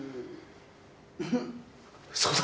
そうだ！